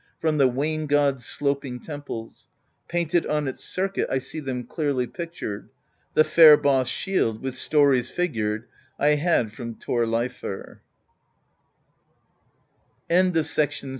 From the Wain God's sloping temples; Painted on its circuit I see them clearly pictured: The fair bossed shield, with stories Figured, I had from Thorleifr."